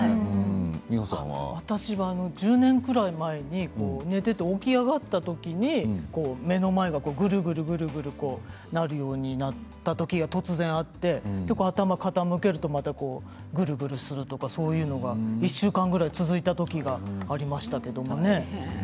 私は１０年くらい前に寝ていて、起き上がったときに目の前がグルグルなるようになった時が突然あって頭を傾けるとまたグルグルするとかそういうのが１週間ぐらい続いた時がありましたけれどもね。